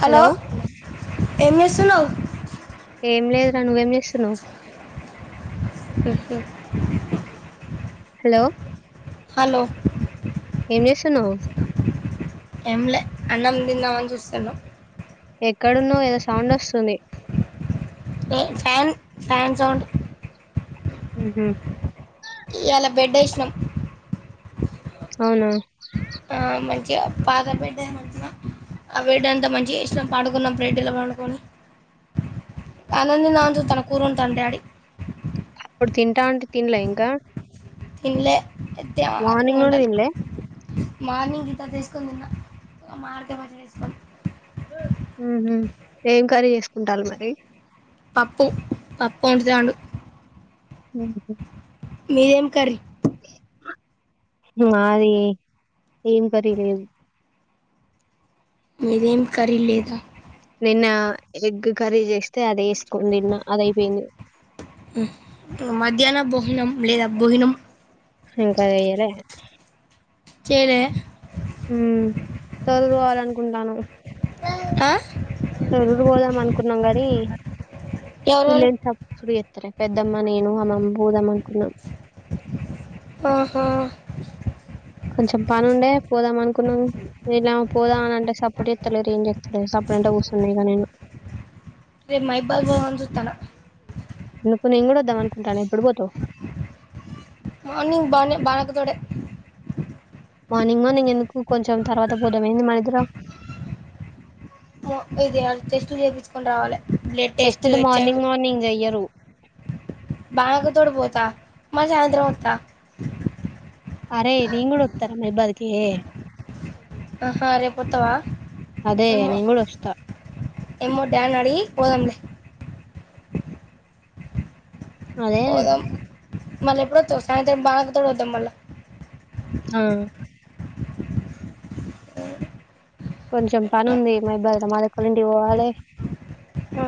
Hello ఏం జేస్తున్నావ్? ఏం లేదురా, నువ్వేం జేస్తున్నవ్? [inaudible] హలో హలో ఏం జేస్తున్నవ్? ఏంలె అన్నం తిందామని చూస్తున్న ఎక్కడున్నావ్? ఏదో సౌండ్ వస్తుంది. ఏ ఫ్యాన్ ఫ్యాన్ సౌండ్ ఉమ్ హు ఇయాలా బెడ్ యేసినాం అవునా ఆ, పాత బెడ్డే మంచిగా ఆ బెడంతా మంచిగా చేసినమ్ పండుకున్నాం బెడ్లా పండుకొని అన్నం దిందా అని చూతే తన కూరోంత అన్నాడు డాడి ఇప్పుడు తింటా అంటే తినలే ఇంకా తిన్లేె డాడి మార్నింగ్ నుండి వండలే తినలే మార్నింగ్ గిత్తత యేసుకొని తిన్న మామిడికాయ పచ్చడ యేసుకొని ఉమ్ హు ఏం కర్రీ జేసుకుంటారు మరి పప్పు పప్పు వండుతాండు ఉమ్ మీదేం కర్రీ మాది ఏం కర్రీ లేదు మీదేం కర్రీ లేదా నిన్న ఎగ్ కర్రీ జేస్తే అది యేసుకుని తిన్న అది అయిపోయింది మధ్యాహ్న బోహనం లేదా బోహనం ఇంకా జేయలే చేయలే ఉమ్ తరువాలనుకుంటాను ఆ ఎవరెవరు వీళ్ళేమో సప్పుడు జేత్తలేరు పెద్దమ్మ నేను అమ్మమ్మ పోదామ్ అనుకున్నాను ఆహా కొంచెం పనుండే పోదాం అనుకున్నాం లేలామ్ పోదాం అని అంటే సపుడు జేస్తలేరు ఏం జే నే సప్పుడుజేయంట కూర్చున్నా ఇగ నేను రేప్ మైబాద్ బోదామని జూత్తున్నా ఎందుకు నేన్ గూడా వద్దాం అనుకుంటాన ఎప్పుడు బోతావ్ మార్నింగ్ బానే బానక్క తోటే మార్నింగ్ మార్నింగ్ ఎందుకు కొంచం తర్వాత పోదామ్ ఏంది మనిద్దరం ఇది టెస్టులు చేపిచ్చుకొని రావాలి బ్లడ్ టెస్ట్ వ టెస్టులు హెచ్చైవి మార్నింగ్ మార్నింగ్ చెయ్యరు బానక్క తోటి పోతా మళ్ళీ సాయంత్రం వత్తా అరేయ్ నేన్ గూడా వత్తరా మైబాద్ కీ ఆహా రేపోత్తవా అదే నేన్ గూడా వస్తా ఏమో డాడ్‌ నడిగి పోదాంలే అదే మళ్ల ఎప్పుడోస్తావ్ సాయంత్రం భానక్క తోటి వద్దాం మళ్లా ఆ కొంచెం పని ఉంది మైబ్బదులా మాదవకోలీటికి పోవాలే ఆ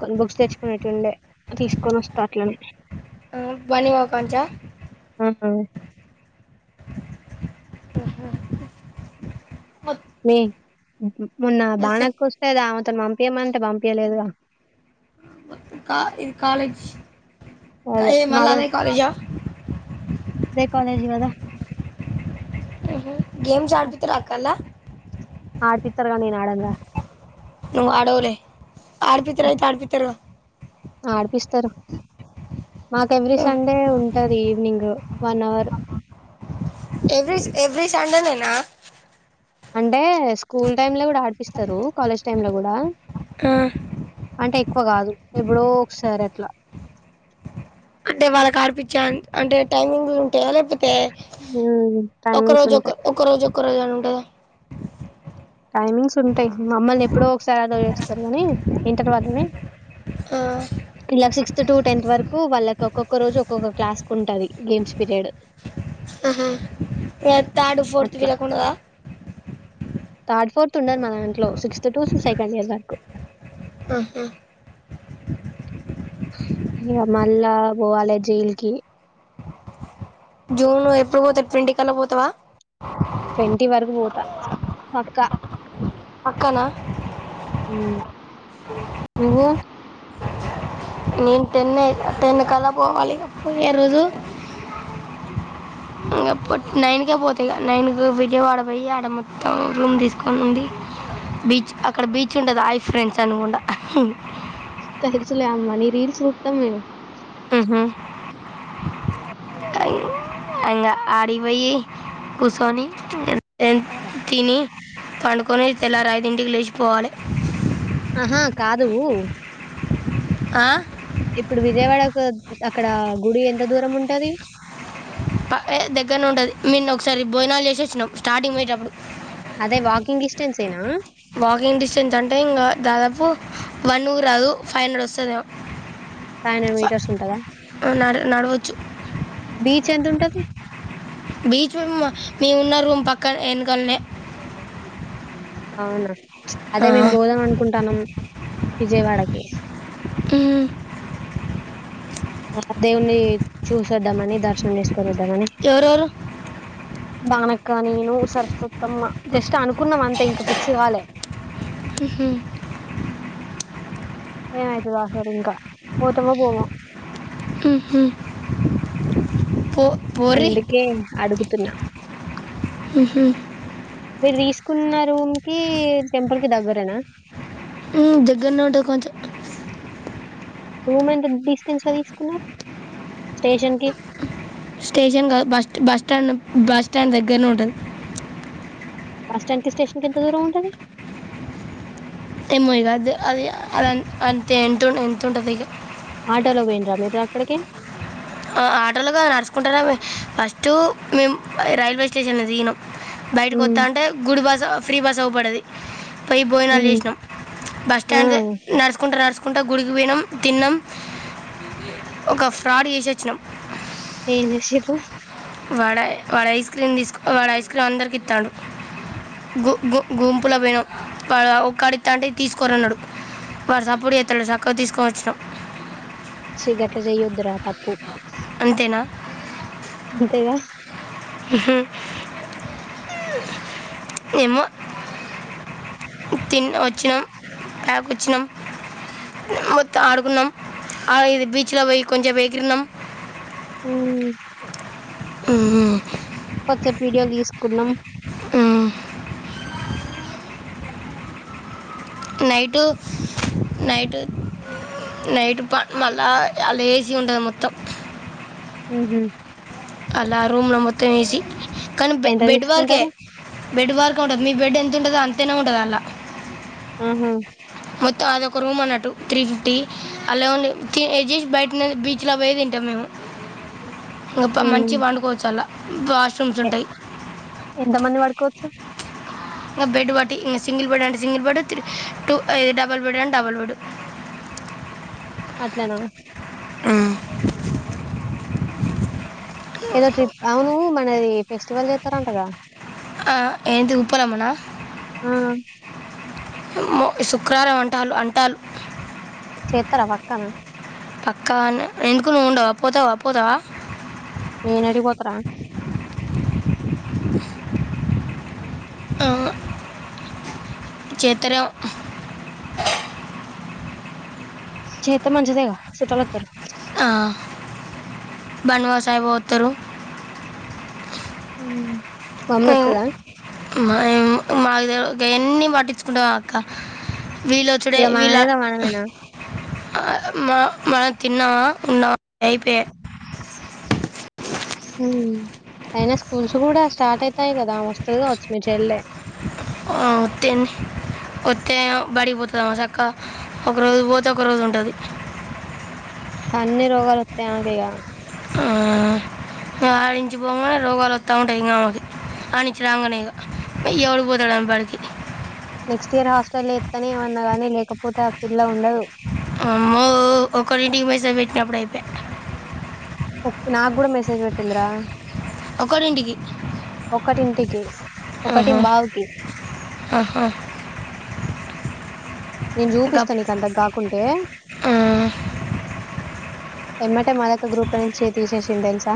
కొన్న్ బుక్స్ తెచ్చుకునేటివి ఉండే తీస్కొనివస్తా అట్లనే ఆ బానివా కాంచా ఆ నే మొన్న ఇది బన్నక్క వస్తే దా అవతొన్ పంపియమంటే పంపియలేదు గా కా ఇది కాలేజ్ అదే ఏ మల్ల మాధవ్ అదే కాలేజా అదే కాలేజీ కదా ఆ గేమ్స్ అడ్పితరా అక్క అల్లా ఆడిపిత్తరు గాని నేను ఆడనుగా నువ్ అడవ్‌లే అడ్పితర్ అయితే అడ్పితర్ గా అడ్పిస్తారు మాక్ ఎవ్రీ సండే ఉంటది ఈవెనింగ్ వన్ అవర్ఉ ఎవ్రీస్ ఎవ్రీ సండే నేనా అంటే స్కూల్ టైమ్ లో కూడా ఆడిపిస్తారు కాలేజ్ టైమ్ లో కూడా అంటే ఎక్కువ కాదు ఎప్పుడో ఒక్కసారి అట్లా అంటే వాళ్లకు ఆడిపిచ్చ అంత అంటే టైమింగ్లు ఉంటాయా లేపోతే తె ఒక్క టైమింగ్స్ రోజు ఒక ఉంటాయి ఒక్క రోజు ఒక్క రోజ అని ఉంటదా టైమింగ్స్ సరే గాని ఇంటర్ వాళ్ళుని ఆ ఇలా సిక్స్త్ టు టెన్త్ వరకు వాళ్లకి ఒక్కొక్క రోజు ఒక్కొక్క క్లాస్ కు ఉంటది గేమ్స్ పీరియడ్ ఆహా ఏ థర్డ్ ఫోర్త్ అట్లా వీళ్ళకు ఉండదా థర్డ్ ఫోర్త్ ఉండదు మా దాంట్లో సిక్స్త్ టూ సెకండ్ ఇయర్ వరకు ఆహా ఇగ మల్ల బోవలే జైల్ కి జూన్ లో ఎప్పుడు పోతర్ ట్వెంటీ ఖల్లా పోతావా ట్వంటీ వరకు పోతా పక్కా అక్కనా ఉమ్మ్ నువ్వు నేన్ టెనే టెన్ కల్లా పోవాలి పోయే రోజు ఇగ పో నైన్‌కే పోతా ఇగ నైన్ కి విజయవాడ బోయి ఆడ మొత్తం రూమ్ దీసుకొని ఉండి బీచ్ అక్కడ బీచ్ ఉండది ఆయి ఫ్రెండ్స్ అనుకుండా తెల్సు లే అమ్మా నీ రీల్స్ జూత్తం మేము ఉహు థాంక్ అంగా ఆడిపోయి కుసోని ఏ ఎంత్ తిని పండుకొని తెల్లారాయిదింటికి లేసిపోవాలే హా కాదు ఆ ఇప్పుడు విజయవాడకు అక్కడ గుడి ఎంత దూరం ఉంటాది పా ఏ దేగ్గరనే ఉంటది మిన్న ఒకసారి భోజనాలు జేసి వచ్చినాం స్టార్టింగ్ పోయేటప్పుడు అంతేనా వాకింగ్ డిస్టెన్స్ అంటే ఇగా దాదాపు వన్ గూడ రాదు ఫైవ్ హండ్రెడ్ వస్తాదేమో ఫైవ్ హండ్రెడ్ ఫా మీటర్స్ ఉంటదా ఆ నడ నడవొచ్చు ఎంతుంటది బీచ్ రూమ మేం వున్న రూం పక్క ఎనుకల్నే అవునా ప్చ్ అదే మేం బోధం అనుకుంటాన్నాం విజయవాడకి మ్ ఆ దేవుని చూసోద్దమని దర్శనం చేసుకొని వద్దామని ఎవరెవరు ఇంకా నేను సరస్వతత్తమ్మ జస్ట్ అనుకున్నాం అంతే ఇంక ఫిక్స్ కాలే. మ్ ఏమైతదో అసలు ఇంకా పోతమో పోమో! మ్మ్. పో పోర్రి అందుకే అడుగుతున్నా మీరు తీసుకున్న రూమ్ కి టెంపుల్ కి దగ్గరేనా? మ్మ్ దగ్గర్నే ఉంటది కొంచెం రూం ఎంత డిస్టెన్స్ లో తీసుకున్నవ్ స్టేషన్ కి స్టేషన్ కాదు బస్ట్ బస్టాండ్ బస్టాండ్ దగ్గరనే ఉంటది. బస్టాండ్కి స్టేషన్కి ఎంత దూరం ఉంటది? ఏమ్మో ఇగ అది అది అదం అంతే ఎంటో ఎంతుంటదో ఇగ ఆటోలో పోయిండ్రా మీరు అక్కడికి? ఆఁ ఆటోల గాదు నడుచుకుంటనే పో ఫస్ట్ మేము రైల్వే స్టేషన్ల దిగినం బయటకు ఉమ్, వత్తాంటే గుడి బస్ ఫ్రీ బస్ అవుపడ్డది పోయి భోజనాలు ఉమ్, చేసినం బస్ ఆ, స్టాండ్ దే నడుచుకుంట నడుసు కుంట గుడికి పోయినాం తిన్నం ఒక ఫ్రాడ్ చేసొచ్చినాం ఏం చేసింన్రు వాడ వాడు ఐస్ క్రీమ్ తీసుకు వాడు ఐస్ క్రీమ్ అందరికి ఇత్తాండు గు గు గుంపుల పోయినం వాడోక్కడ ఇత్తాంటే తీసుకోర్రి అన్నడు. వాడు సప్పుడు చేతలేడు సక్కగా తీసుకోని వచ్చినం చి గట్ల చేయొద్దురా తప్పు అంతేనా అంతేగా! ఎమో తిన్ వచ్చినం ప్యాక్ వచ్చినం మొత్తం ఆడుకున్నం ఆ ఇది బీచ్ లో పోయి కొంచేపు ఎగిరినం మ్మ్ఁ హ్మ్ కొద్సేపు వీడియోలు తీసుకున్నం మ్మ్ఁ అ నైటు నైటు నైటు ప మళ్ళా ఆ లేజి ఉంటది మొత్తం మ్మ్ హు అలా రూమ్లో మొత్తం ఏసి కానీ బె ఎంత బెడ్ వరకే తీసుకుంటారు బెడ్ వరకు ఉంటది మీ బెడ్ ఎం తుంటదో అంతనే ఉంటది అండ్ల మ్మ్ హు మొత్తం అదొక రూమ్ అన్నట్టు త్రీ ఫిఫ్టీ అల్లేముంది కీ ఏసీ బయట్నే బీచ్ లో పోయి తిం టం మేము ఇంగ ప మంచిగ పండుకోవచ్చల్ల పా ఎంత మంది పడుకోవచ్చు? ఇంగ బెడ్ బట్టి ఇంగ సింగిల్ బెడ్డంటే సింగిల్ బెడ్ త్రి టూ ఈ డబల్ బెడ్డంటే డబల్ బెడ్. [inaudible] అట్లేనని ఆ ఏదో ట్రిప్ అవును మనది ఫెస్టివల్ చేస్తారంటగా ఆ ఏన్దుప్ప రమణ ఆ, మో శుక్రరారం అంటాల్లు అంటాలు చేతారా పక్కనా పక్కానే ఎందుకు నువ్వుండవా పోతావా పోతావా నేనాడిపోతరా ఆ చేత్రరేమో చెతే మంచిదేగా సుట్టాలొత్తరు బనువా సాయిబోతారు ఉమ్. మమ్మీ ఉ వస్తుందా మాయమ్మ మాక్ తెల్వదు గాయాన్ని పటించుకుంటావాక్క వీళ్ళొచుడే ఇక వీళ్ళ. మనదేదో మనమేనా అ మ మనం తిన్నామా ఉన్నామ అయిపేయి. హు అయినా స్కూల్స్ కూడా స్టార్ట్ అయితాయి కదా ఆమె వస్తది కావచ్చు మీ చెల్ల్యా. ఆ తిన్ వతేయ్ బడికిపోతదమే సక్కగా ఒక రోజు పోతే ఒక రోజు ఉంటది. అన్ని రోగాలోత్త ఆమెకిగా ఆ ఆడించి పోంగానే రోగాలోత్త ఉంటాయి ఇంగా అన్నుచ్చి రాంగనే ఇగ ఎవడు పోతడమ్ బడికి నెక్స్ట్ ఇయర్ హాస్టలేత్తనే ఏమన్నా గానీ లేకపో అమ్మో ఒక్కటిన్టికి మెసేజ్ పెట్ గప్పుడయితే కొక్ నాగుడా మెసేజ్ పెట్టింది రా ఒకరింటికి ఒకటింటికి ఆహా, ఒకటిమ్ బావుకి ఆహా నేన్ జుపిస్తా గప్ ఇకంతక్ కాకుంటే. ఎమ్మటె మదక్క గ్రూప్ల నుంచి తీసేసింది తెల్సా?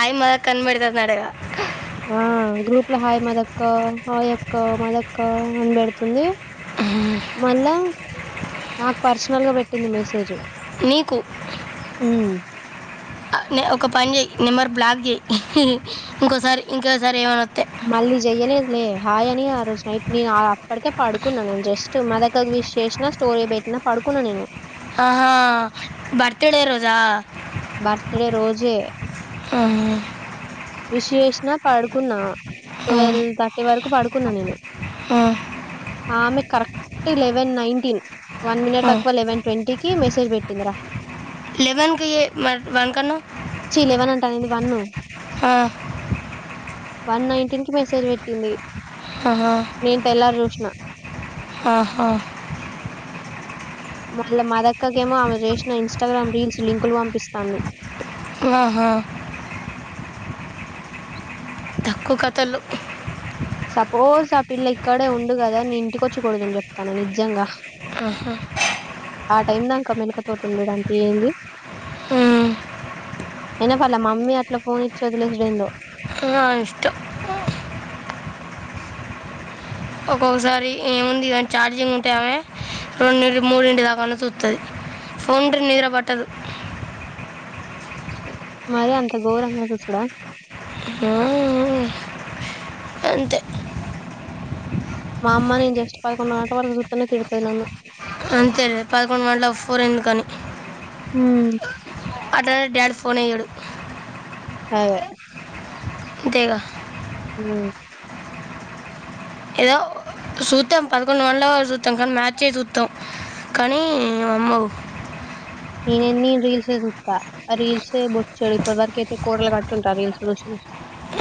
ఆయమ్మదక్ కన్పెడతందంటగా ఆ గ్రూప్ లో హాయ్ మదక్క హాయ్ అక్క మదక్క అని పెడుతుంది. మల్ల నాక్ పర్సనల్ గా పెట్టింది మెసేజు. నీకు అ నే ఒక పన్ జెయ్ నెంబర్ బ్లాక్ జెయ్ ఇంకోసారి ఇంకోసారి ఏమనద్ మళ్ళీ జెయ్యలేదులే. హాయ్ అని ఆ రోజు నైట్ నేను ఆ, ఆ అప్పడికే పడుకున్నా నేను జస్ట్ మదక్క. విష్ చేసిన స్టోరీ బెట్టిన పడుకున్నా నేను ఆహా బర్తడే రోజా బర్త్ డే రోజే ఆహా, విష్ చేసిన పడుకున్న ఆ, ట్వెల్వ్ థర్టీ వరకు పడుకున్నా నేను ఆ, ఆమె కరెక్ట్ లెవెన్ నైన్టీన్, వన్ ఆ. మినిట్ తక్కువ లెవెన్ ట్వంటీకి మెసేజ్ పెట్టటిందరా. లెవెన్కే ఎ మరి వన్ కన్నవ్ పదయ్యింది వన్ను క వన్ నైన్టీన్ కి మెసేజ్ పెట్టింది ఆహా, నేన్ తెల్లారి చూసిన. ఆహా మళ్ళ మదక్కకేమో ఆమె చేసిన ఇన్స్టాగ్రామ్ రీల్స్ లింకులు పంపిస్తాంది ఆహా తక్కువ కతలు సపోజ్ ఆ పిల్ల ఇక్కడే ఉండు కదా నీ ఇంటికొచ్చి కొడుదును చెప్తుందా నిజంగా ఆహా ఓక్క మెలికతోటి ఉండడానికి ఏంది ఉమ్, అయినా పర్లే మమ్మీ అట్లా ఫోన్ ఇచ్చి వదిలేసుడెందో ఉమ్ ఆమె ఇష్టం ఒక్కొక్కసారి ఏముంది దానికి చార్జింగ్ ఉంటె ఆమె రెండింటి మూడింటి దాకన్నచుత్తది ఫోన్ ఉంటే నిద్ర పట్టదు మరి అంత ఘోరంగా చూస్తాద ఉమ్ ఆ అంతే మా అమ్మ నెన్ జస్ట్ పదకొండు గంట వరకు చుత్ అంతేలే పదకొండు గంటలకు ఫోన్ ఎందుకని ఉమ్ ఫోనే ఇయాడు అదే ఇంకేగా ఉమ్మ్ ఏదో సూతం పదకొండు గంటల వరకు సూతం మ్యాచే సూతం కానీ మమ్మొవు నేను రీల్స్ సుత్తా ఆ రీల్స్ బోచ్చడు ఇప్పుడు వరకేతే కూడలు కట్టి ఉంటా రీల్స్ చుసి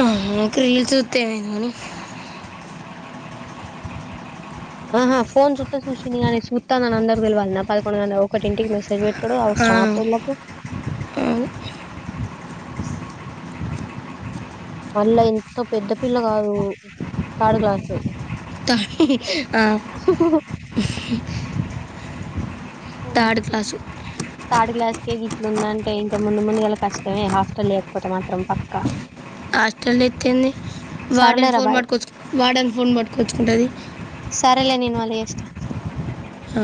ఆహ రీల్స్ చుత్తే ఏమైంది గాని ఆహా ఫోన్ చూత్తా చూసిందిగాని సుత్తాంది అని అందరికీ తెల్లవాల్న పదకొండు గంట ఒకటింటికి మెసేజ్ పెట్ పెట్టుడు అవస్రామ ఆ పిల్లకు ఆ, [inaudible] మళ్ళ ఎంతో పెద్ద పిల్ల కాదు థర్డ్ క్లాసు త ఆ థార్డ్ క్లాసు ఇట్లుందంటే ఇంకా ముందు ముందుగాల కష్టమే హాస్టల్ లో వేయకపోతే మాత్రం పక్కా హాస్టల్ ఎత్తే ఎంది వాడెన్ సర్లేరా ఫోన్ బాయ్ పట్టుకొచ్చు వాడెన్ ఫోన్ పట్టుకొచ్చుకుంటది సరేలే నేన్ మళ్ళీ చెస్ ఆ